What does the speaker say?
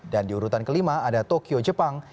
dan di urutan kelima ada tokyo jepang